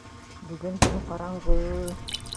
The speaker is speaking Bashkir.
Бөгөн төн ҡараңғы...